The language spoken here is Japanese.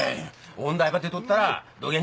音大ば出とったらどげん